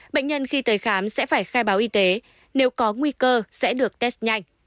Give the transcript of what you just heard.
bệnh nhân khi tới khám sẽ phải khai báo y tế nếu có nguy cơ sẽ được test nhanh